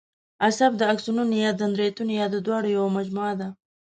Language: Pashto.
عصب د آکسونونو یا دندرایتونو یا د دواړو یوه مجموعه ده.